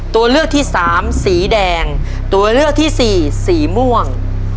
ตัวเลือกที่สามสีแดงตัวเลือกที่สี่สีม่วง